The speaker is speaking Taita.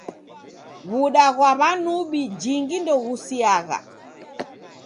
W'uda ghwa w'anubi jingi ndoghusiagha.